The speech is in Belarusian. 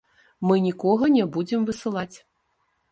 Мы нікога не будзем высылаць.